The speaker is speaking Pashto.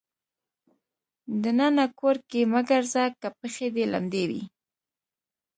د ننه کور کې مه ګرځه که پښې دې لمدې وي.